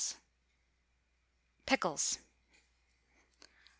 PICKLES.